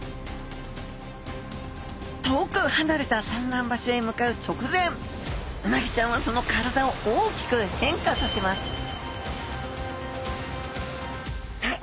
遠く離れた産卵場所へ向かう直前うなぎちゃんはその体を大きく変化させますさあ